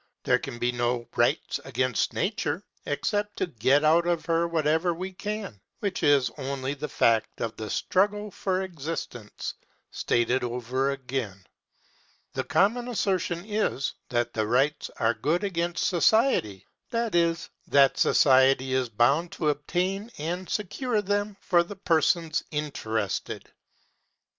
There can be no rights against Nature, except to get out of her whatever we can, which is only the fact of the struggle for existence stated over again. The common assertion is, that the rights are good against society; that is, that society is bound to obtain and secure them for the persons interested.